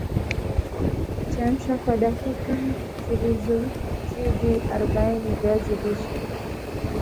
Chemsha kwa dakika zisizozidi arobaini viazi lishe